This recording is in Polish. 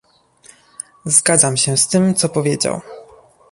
Zgadzam się z tym, co powiedział